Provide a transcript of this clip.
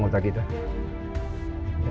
itu seluruh komputer kita